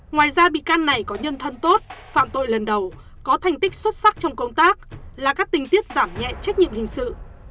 ngoài ra bị can này có nhân thân tốt phạm tội lần đầu có thành tích xuất sắc trong công tác là các tình tiết giảm nhẹ trách nhiệm hình sự